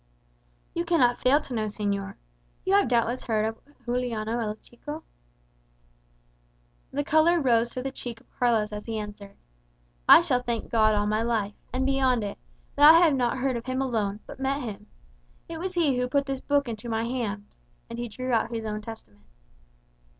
"You cannot fail to know, señor. You have doubtless heard of Juliano El Chico?" The colour rose to the cheek of Carlos as he answered, "I shall thank God all my life, and beyond it, that I have not heard of him alone, but met him. He it was who put this book into my hand," and he drew out his own Testament.